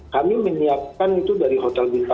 kami menyiapkan itu dari hotelnya